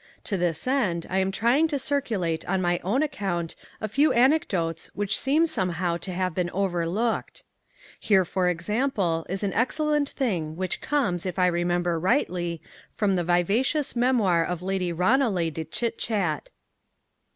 To this end I am trying to circulate on my own account a few anecdotes which seem somehow to have been overlooked. Here, for example, is an excellent thing which comes, if I remember rightly, from the vivacious Memoir of Lady Ranelagh de Chit Chat.